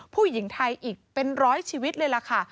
ผู้หญิงไทยอีกเป็นร้อยชีวิตเลยล่ะค่ะ